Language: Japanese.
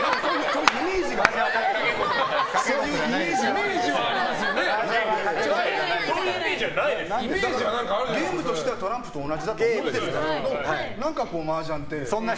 そういうイメージはマージャンはゲームとしてはトランプだと同じだと思ってるんですけど何かマージャンって。